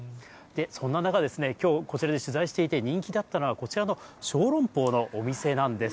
そんな中、きょう、こちらで取材していて、人気だったのが、こちらの小籠包のお店なんです。